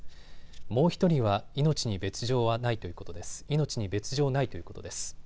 もう１人は命に別状ないということです。